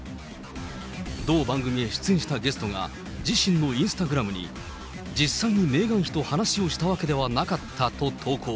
同番組に出演したゲストが、自身のインスタグラムに実際にメーガン妃と話をしたわけではなかったと投稿。